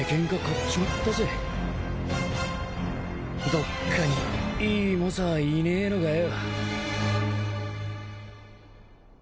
どっかにいい猛者はいねえのかよ。